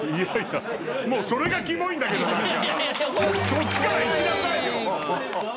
そっちから行きなさいよ。